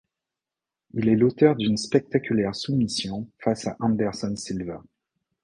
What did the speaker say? Il est l'auteur d'une spectaculaire soumission face à Anderson Silva.